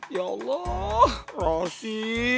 ya allah rosy